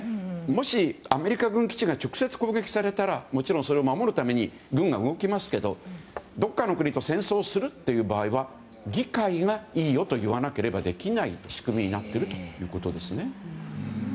もし、アメリカ軍基地が直接攻撃されたらもちろんそれを守るために軍が動きますけどどこかの国と戦争をするという場合は議会がいいよと言わなければできない仕組みということです。